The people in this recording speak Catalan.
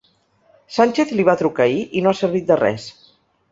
Sánchez li va trucar ahir i no ha servit de res.